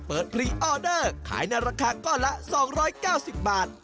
เปิดพรีออเดอร์ขายในราคาก็ละ๒๙๐บาท